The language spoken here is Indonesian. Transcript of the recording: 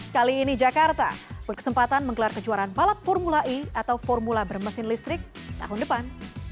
kali ini jakarta berkesempatan menggelar kejuaraan balap formula e atau formula bermesin listrik tahun depan